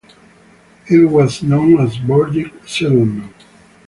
It was known as Burdick Settlement.